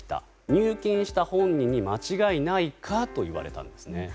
入金した本人に間違いないかといわれたんですね。